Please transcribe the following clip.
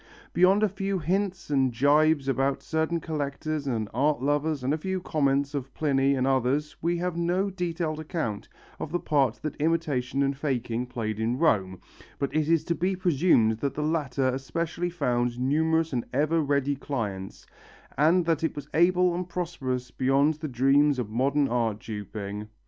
Beyond a few hints and gibes about certain collectors and art lovers and a few comments of Pliny and others we have no detailed account of the part that imitation and faking played in Rome, but it is to be presumed that the latter especially found numerous and ever ready clients, and that it was able and prosperous beyond the dreams of modern art duping.